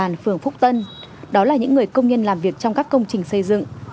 trên địa bàn phường phúc tân đó là những người công nhân làm việc trong các công trình xây dựng